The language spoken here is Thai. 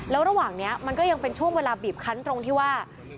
แล้วระหว่างนี้มันก็ยังเป็นช่วงเวลาบีบคันตรงที่ว่า